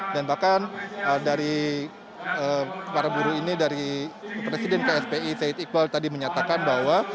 dan bahkan dari para buru ini dari presiden kspi syed iqbal tadi menyatakan bahwa